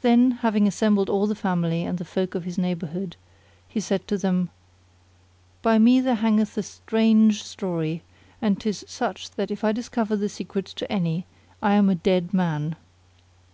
Then, having assembled all the family and the folk of his neighbourhood, he said to them, "By me there hangeth a strange story, and 'tis such that if I discover the secret to any, I am a dead man."